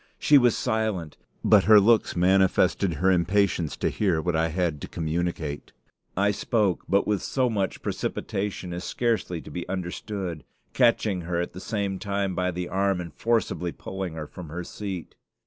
She was silent, but her looks manifested her impatience to hear what I had to communicate. I spoke, but with so much precipitation as scarcely to be understood; catching her at the same time by the arm, and forcibly pulling her from her seat.